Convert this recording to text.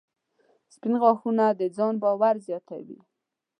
• سپین غاښونه د ځان باور زیاتوي.